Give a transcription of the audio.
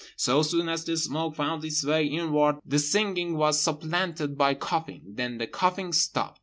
So soon as the smoke found its way inward the singing was supplanted by coughing; then the coughing stopped.